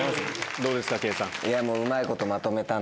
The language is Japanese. どうですか、圭さん。